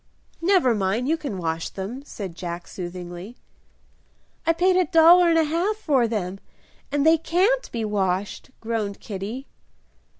"Never mind, you can wash them," said Jack, soothingly. "I paid a dollar and a half for them, and they can't be washed," groaned Kitty.